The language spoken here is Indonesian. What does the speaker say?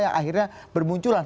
yang akhirnya bermunculan